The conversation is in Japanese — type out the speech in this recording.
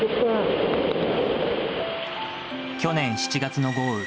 去年７月の豪雨。